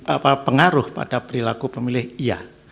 apa pengaruh pada perilaku pemilih iya